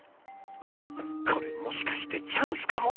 これもしかしてチャンスかも！？